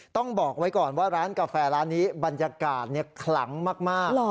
ต้องบอกไว้ก่อนว่าร้านกาแฟร้านนี้บรรยากาศคลังมาก